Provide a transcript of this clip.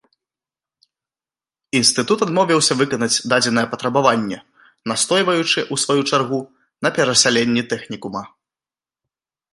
Інстытут адмовіўся выканаць дадзенае патрабаванне, настойваючы, у сваю чаргу, на перасяленні тэхнікума.